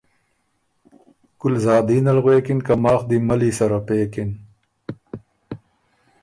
ګلزادین ال غوېکِن که ”ماخ دی ملّی سره پېکِن“۔